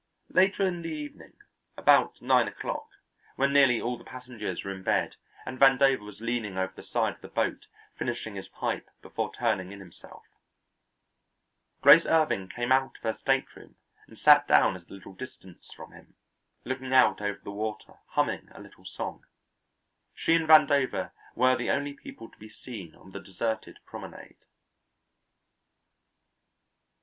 Later in the evening, about nine o'clock, when nearly all the passengers were in bed, and Vandover was leaning over the side of the boat finishing his pipe before turning in himself, Grace Irving came out of her stateroom and sat down at a little distance from him, looking out over the water, humming a little song. She and Vandover were the only people to be seen on the deserted promenade.